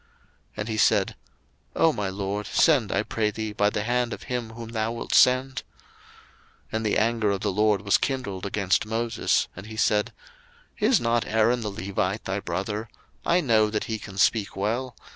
02:004:013 And he said, O my LORD, send, I pray thee, by the hand of him whom thou wilt send. 02:004:014 And the anger of the LORD was kindled against Moses, and he said, Is not Aaron the Levite thy brother? I know that he can speak well.